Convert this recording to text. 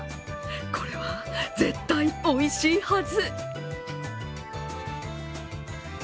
これは絶対おいしいはず。